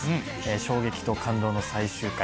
衝撃と感動の最終回